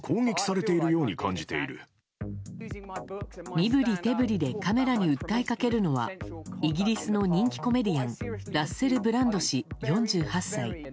身振り手振りでカメラに訴えかけるのはイギリスの人気コメディアンラッセル・ブランド氏、４８歳。